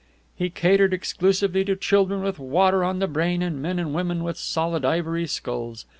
He catered exclusively to children with water on the brain and men and women with solid ivory skulls.